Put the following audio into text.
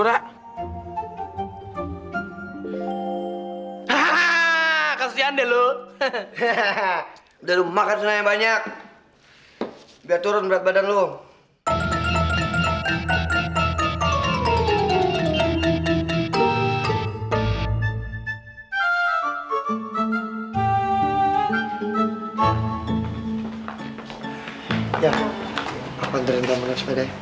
hahaha kasihan dulu hahaha dulu makan banyak biar turun berat badan lu ya